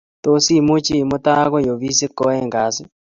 tos imuchi imuta agoi ofisit ko oeng kasit